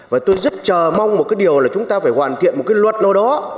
và tôi rất chờ mong một cái điều là chúng ta phải hoàn thiện một cái luật nào đó